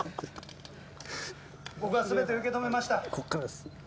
僕は全て受け止めました。